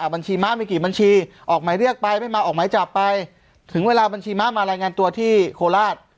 บัญชีม้ามีกี่บัญชีออกหมายเรียกไปไม่มาออกหมายจับไปถึงเวลาบัญชีม้ามารายงานตัวที่โคราช